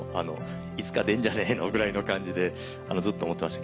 「いつか出んじゃねぇの」ぐらいの感じでずっと思ってました。